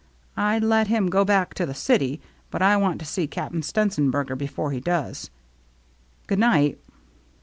I'd let him go back to the city, but I want to see Cap'n Stenzenberger before he does. Good night."